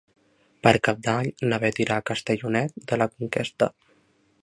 Per Cap d'Any na Beth irà a Castellonet de la Conquesta.